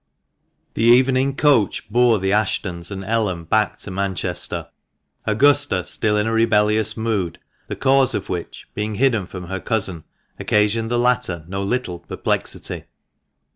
THE MANCHESTER MAN. 365 The evening coach bore the Ashtons and Ellen back to Manchester ; Augusta, still in a rebellious mood, the cause of which, being hidden from her cousin, occasioned the latter no little perplexity.